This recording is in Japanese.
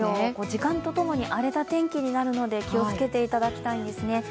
時間とともに荒れた天気となるので気をつけていただきたいですね。